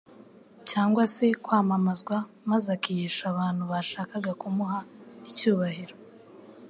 cyangwa se kwamamazwa, maze akihisha abantu bashakaga kumuha icyubahiro